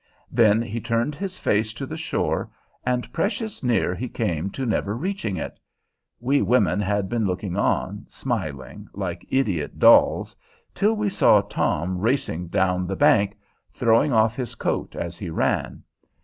Then he turned his face to the shore; and precious near he came to never reaching it! We women had been looking on, smiling, like idiot dolls, till we saw Tom racing down the bank, throwing off his coat as he ran.